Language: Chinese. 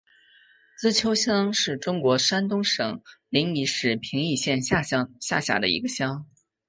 资邱乡是中国山东省临沂市平邑县下辖的一个乡。